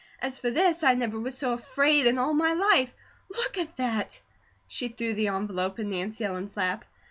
"As for THIS, I never was so AFRAID in all my life. Look at that!" She threw the envelope in Nancy Ellen's lap.